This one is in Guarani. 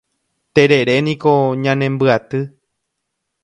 Tereréniko ñanembyaty